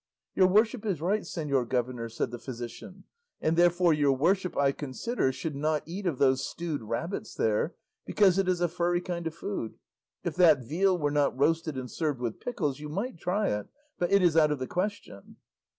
"Your worship is right, señor governor," said the physician; "and therefore your worship, I consider, should not eat of those stewed rabbits there, because it is a furry kind of food; if that veal were not roasted and served with pickles, you might try it; but it is out of the question."